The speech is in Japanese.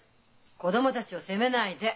子供たちを責めないで。